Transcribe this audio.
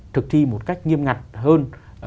thực thi một cách nghiêm ngặt hơn